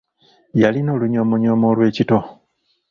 Yalina olunyoomonyoomo olw'ekito.